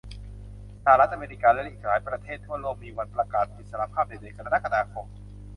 สหรัฐอเมริกาและอีกหลายประเทศทั่วโลกมีวันประกาศอิสรภาพในเดือนกรกฎาคม